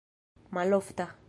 malofta